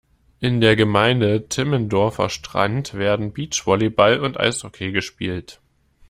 In der Gemeinde Timmendorfer Strand werden Beachvolleyball und Eishockey gespielt.